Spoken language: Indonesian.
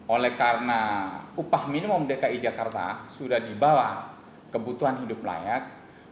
oleh karena upah minimum dki jakarta sudah dibawa kebutuhan hidup layak